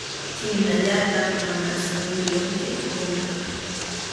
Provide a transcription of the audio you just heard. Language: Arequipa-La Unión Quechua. Chhaynallataq mana simiyuq yaykunki.